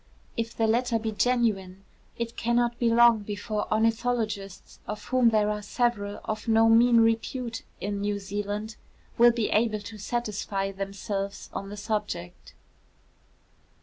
If the letter be genuine, it cannot be long before ornithologists, of whom there are several of no mean repute in New Zealand, will be able to satisfy themselves on the subject.